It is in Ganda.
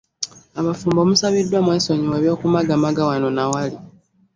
Abafumbo musabiddwa mwesonyiwe eby'okumagaamaga wano na wali